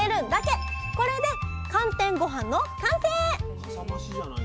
これで寒天ごはんの完成！